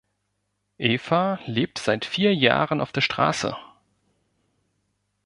Eva lebt seit vier Jahren auf der Straße.